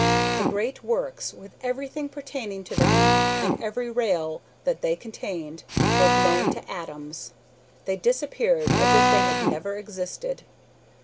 The great works, with everything pertaining to them, and every rail that they contained, were blown to atoms. They disappeared as if they had never existed.